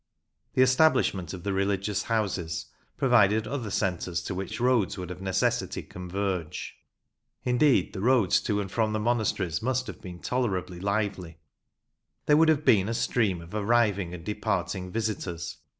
The establishment of the religious houses provided other centres, to which roads would of necessity converge. Indeed, the roads to and from the monasteries must have been tolerably lively. There would be a stream of arriving and departing visitors.